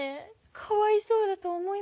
かわいそうだと思いませんか？